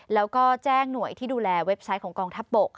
แล้วก็แจ้งหน่วยที่ดูแลเว็บไซต์ของกองทัพบก